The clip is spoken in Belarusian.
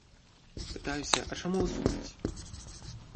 Пытаюся, а чаму вы супраць?